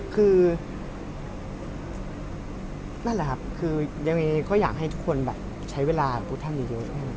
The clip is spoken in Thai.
คือนั่นแหละครับคือเนี่ยมาให้ทุกคนแบบใช้เวลาพวกท่านอยู่เยอะ